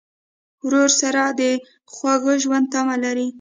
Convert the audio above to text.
ورور سره د خوږ ژوند تمه لرې.